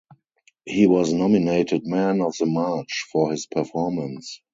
He was nominated Man of the Match for his performance.